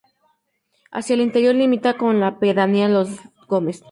Hacia el interior limita con la pedanía de Los Gómez.